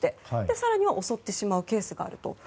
更には襲ってしまうケースがあると。